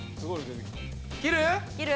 切る？